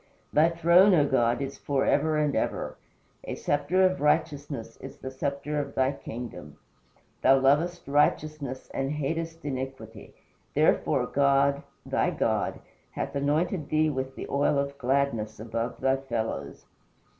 Thy throne, O God, is for ever and ever. A sceptre of righteousness is the sceptre of thy kingdom. Thou lovest righteousness and hatest iniquity. Therefore God thy God hath anointed thee with the oil of gladness above thy fellows."